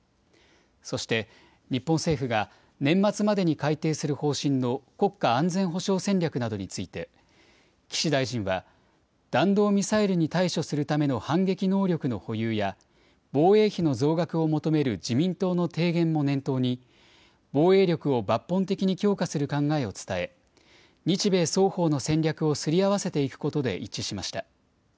そして、日本政府が年末までに改定する方針の国家安全保障戦略などについて、岸大臣は、弾道ミサイルに対処するための反撃能力の保有や、防衛費の増額を求める自民党の提言も念頭に、防衛力を抜本的に強化する考えを伝え、日米双方の戦略をすり合わせていくことで一致しました。